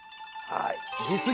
はい。